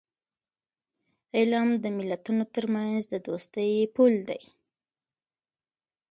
علم د ملتونو ترمنځ د دوستی پل دی.